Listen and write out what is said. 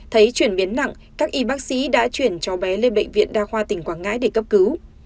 thấy chuyển biến nặng các y bác sĩ đã chuyển cho bé lên bệnh viện đa khoa tỉnh quảng ngãi để cấp cứu